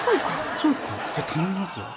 そうかって頼みますよ。